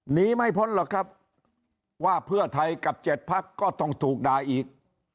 หนีไม่พ้นหรอกครับว่าเพื่อไทยกับ๗พักก็ต้องถูกด่าอีก